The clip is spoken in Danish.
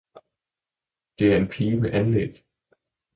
»Det er en Pige med Anlæg!